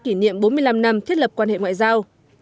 kỷ niệm bốn mươi năm năm thiết lập quan hệ ngoại giao